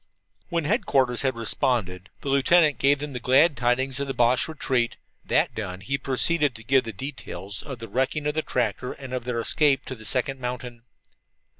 When headquarters had responded, the lieutenant gave them the glad tidings of the Boche retreat. That done, he proceeded to give the details of the wrecking of the tractor and of their escape to the second mountain.